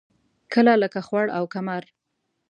کله لکه خوړ او کمر.